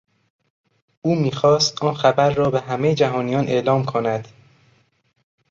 او میخواست آن خبر را به همهی جهانیان اعلام کند.